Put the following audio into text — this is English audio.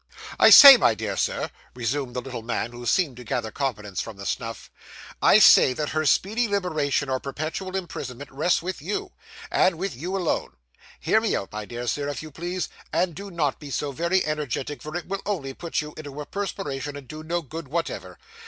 'I say, my dear Sir,' resumed the little man, who seemed to gather confidence from the snuff 'I say, that her speedy liberation or perpetual imprisonment rests with you, and with you alone. Hear me out, my dear Sir, if you please, and do not be so very energetic, for it will only put you into a perspiration and do no good whatever.